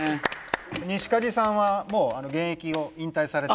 西梶さんはもう現役を引退されて。